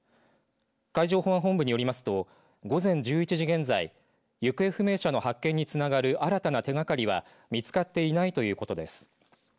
海上保安本部によりますと午前１１時現在行方不明者の発見につながる新たな手がかりは見つかっていないということです。